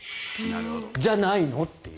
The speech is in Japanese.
じゃないの？という。